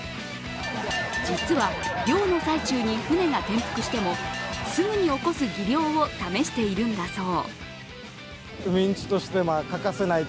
実は、漁の最中に舟が転覆してもすぐに起こす技量を試しているんだそう。